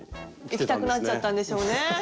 いきたくなっちゃったんでしょうね。